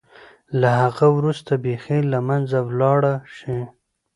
له هغه وروسته بېخي له منځه ولاړه شي.